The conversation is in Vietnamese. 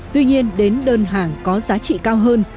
tuy nhiên đến đơn hàng có giá trị cao hơn